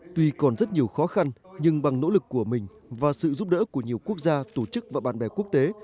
tuy còn rất nhiều khó khăn nhưng bằng nỗ lực của mình và sự giúp đỡ của nhiều quốc gia tổ chức và bạn bè quốc tế